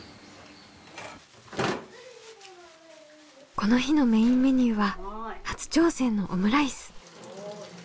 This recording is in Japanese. この日のメインメニューは初挑戦のオムライス。